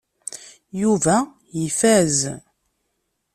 Yuba ifaz.